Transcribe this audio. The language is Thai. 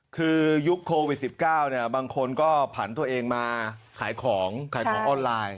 คือยุคโควิด๑๙บางคนก็ผันตัวเองมาขายของขายของออนไลน์